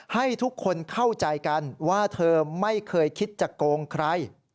ให้ทุกคนเข้าใจกันว่าเธอไม่เคยคิดจะโกงใคร